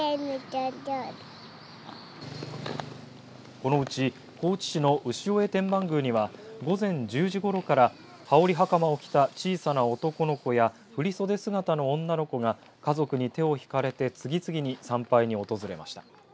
このうち高知市の潮江天満宮には午前１０時ごろから羽織はかまを着た小さな男の子や振り袖姿の女の子が家族に手を引かれて次々に参拝に訪れました。